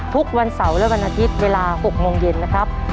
ทุกวันเสาร์และวันอาทิตย์เวลา๖โมงเย็นนะครับ